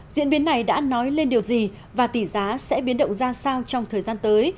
diễn biến này đã nói lên điều gì và tỷ giá sẽ biến động ra sao trong thời gian tới